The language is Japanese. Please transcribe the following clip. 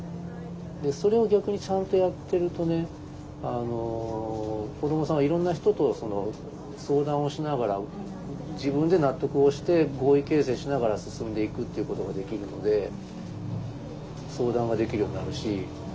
それを逆にちゃんとやってるとね子どもさんはいろんな人と相談をしながら自分で納得をして合意形成しながら進んでいくっていうことができるので相談ができるようになるし。